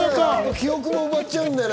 記憶も奪っちゃうんだね。